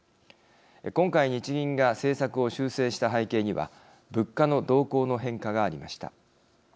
今回日銀が政策を修正した背景には物価の動向の変化がありました。